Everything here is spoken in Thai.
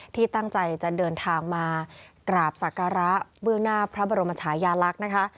ที่ตั้งใจจะเดินทางมากราบศักระเบื้องหน้าพระบรมชายาลักษณ์นะคะ